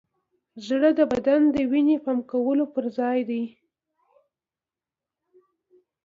زړه د بدن د وینې پمپ کولو یوځای دی.